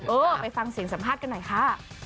เออไปฟังเสียงสัมภาษณ์กันหน่อยค่ะ